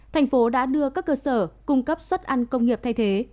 thành phố đã đưa các cơ sở cung cấp xuất ăn công nghiệp thay thế